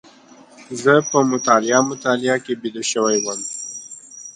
زه په مطالعه مطالعه کې بيده شوی وم.